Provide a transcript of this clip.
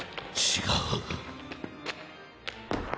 違う。